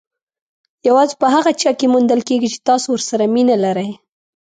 یوازې په هغه چا کې موندل کېږي چې تاسو ورسره مینه لرئ.